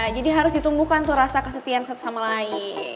jadi harus ditumbuhkan tuh rasa kesetiaan satu sama lain